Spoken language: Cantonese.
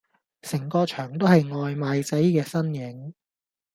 成個場都係外賣仔嘅身影